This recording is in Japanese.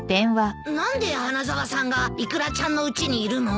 何で花沢さんがイクラちゃんのうちにいるの？